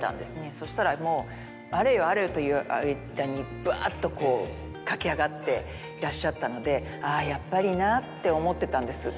そしたらもうあれよあれよという間にぶわっとこう駆け上がっていらっしゃったので「あぁ」。って思ってたんです。